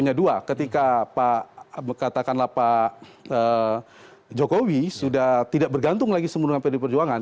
jadi kalau misalnya pak jokowi sudah tidak bergantung lagi sebelumnya pdi perjuangan